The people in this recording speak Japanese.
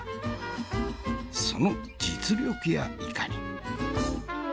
その実力やいかに。